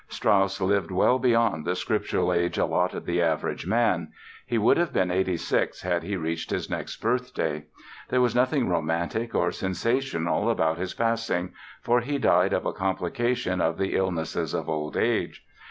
Strauss lived well beyond the scriptural age allotted the average man. He would have been 86 had he reached his next birthday. There was nothing romantic or sensational about his passing, for he died of a complication of the illnesses of old age.